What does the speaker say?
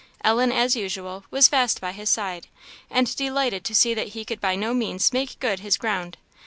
Ellen, as usual, was fast by his side, and delighted to see that he could by no means make good his ground.